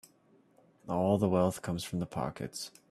All the wealth comes from the pockets.